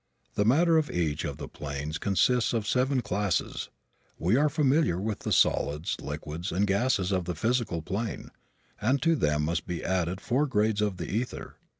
The matter of each of the planes consists of seven classes. We are familiar with the solids, liquids and gases of the physical plane, and to them must be added four grades of the ether.